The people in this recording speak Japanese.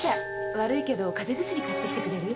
悪いけど風邪薬買って来てくれる？